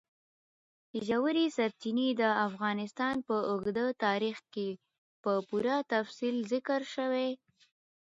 ژورې سرچینې د افغانستان په اوږده تاریخ کې په پوره تفصیل ذکر شوی.